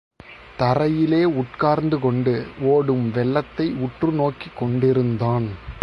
தரையிலே உட்கார்ந்து கொண்டு ஓடும் வெள்ளத்தை உற்று நோக்கிக் கொண்டிருந்தான்.